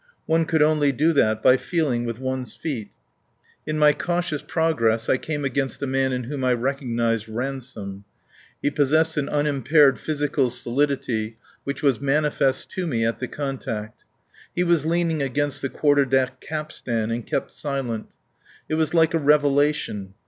One could only do that by feeling with one's feet. In my cautious progress I came against a man in whom I recognized Ransome. He possessed an unimpaired physical solidity which was manifest to me at the contact. He was leaning against the quarter deck capstan and kept silent. It was like a revelation.